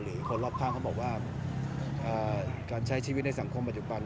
คนรอบข้างเขาบอกว่าการใช้ชีวิตในสังคมปัจจุบัน